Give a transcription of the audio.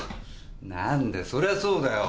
なんだそりゃそうだよ。